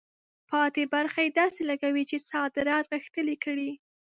پاتې برخه یې داسې لګوي چې صادرات غښتلي کړي.